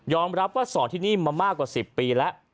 รับว่าสอนที่นี่มามากกว่า๑๐ปีแล้ว